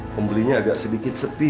pembelinya agak sedikit sepi